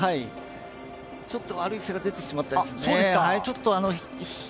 ちょっと悪い癖が出てしまいましたね。